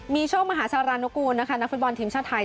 มีโชคมหาสารนุกูลนะคะนักฟุตบอลทีมชาติไทย